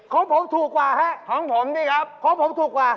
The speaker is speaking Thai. ของผมถูกกว่าฮะของผมนี่ครับของผมถูกกว่า